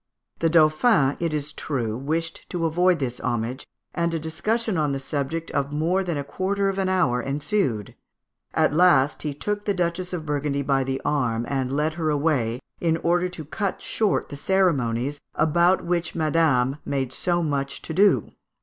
The Dauphin, it is true, wished to avoid this homage, and a disussion on the subject of "more than a quarter of an hour ensued;" at last he took the Duchess of Burgundy by the arm and led her away, in order to cut short the ceremonies "about which Madame made so much to do."